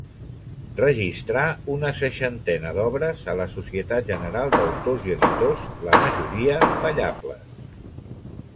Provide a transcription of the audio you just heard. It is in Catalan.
Registrà una seixantena d'obres a la Societat General d'Autors i Editors, la majoria ballables.